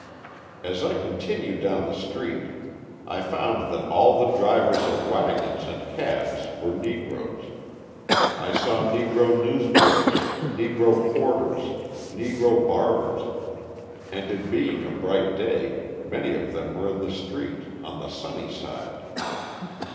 As I continued down the street, I found that all the drivers of waggons and cabs were Negroes; I saw Negro newsboys, Negro porters, Negro barbers, and it being a bright day, many of them were in the street on the sunny side.